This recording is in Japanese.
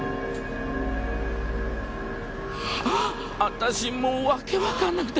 私もう訳わかんなくて。